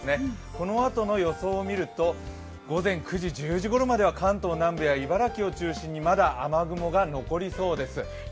このあとの予想を見ると午前９時、１０時ごろまでは関東南部や茨城を中心にまだ雨雲が残りそうです。